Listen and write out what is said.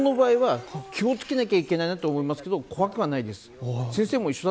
僕の場合は気をつけなきゃいけないなと思いますけど怖くはないです。